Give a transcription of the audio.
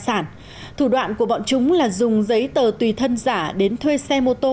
sản thủ đoạn của bọn chúng là dùng giấy tờ tùy thân giả đến thuê xe mô tô